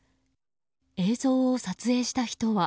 映像を撮影した人は。